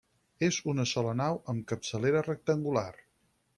És d'una sola nau amb capçalera rectangular.